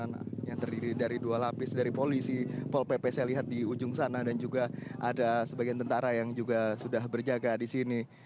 yang terdiri dari dua lapis dari polisi pol pp saya lihat di ujung sana dan juga ada sebagian tentara yang juga sudah berjaga di sini